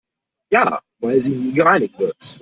Ja, weil sie nie gereinigt wird.